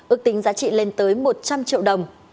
ước tính giá trị lên tới một trăm linh triệu đồng